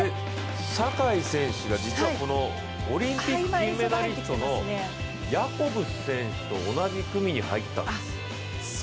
坂井選手が実はオリンピック金メダリストのヤコブス選手と同じ組に入ったと。